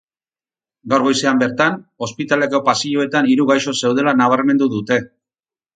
Gaur goizean bertan, ospitaleko pasiloetan hiru gaixo zeudela nabarmendu dute.